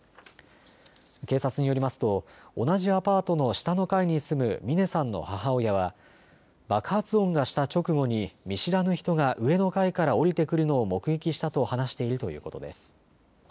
警察によりますと同じアパートの下の階に住む峰さんの母親は爆発音がした直後に見知らぬ人が上の階から下りてくるのを目撃したと話しているということです。